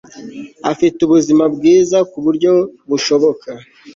afite ubuzima bwiza ku buryo bushoboka